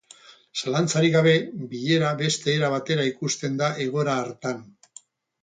Zalantzarik gabe, bilera beste era batera ikusten da egoera hartan.